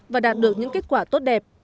và đạt được những kết quả tốt đẹp